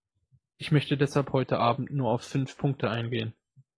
Ich möchte deshalb heute abend nur auf fünf Punkte eingehen.